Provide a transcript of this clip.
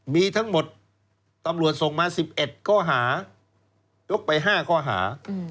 มีทั้งหมดตำรวจส่งมา๑๑ข้อหายกไป๕ข้อหา